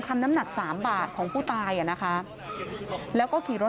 โชว์บ้านในพื้นที่เขารู้สึกยังไงกับเรื่องที่เกิดขึ้น